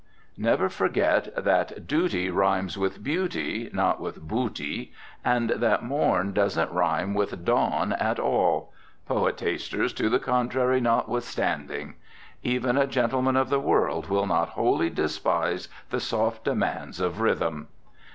Never forget that duty rhymes with beauty, not with booty, and that morn doesn't rhyme with dawn at all poetasters to the contrary notwithstanding. Even a gentleman of the world will not wholly despise the soft demands of rhythm.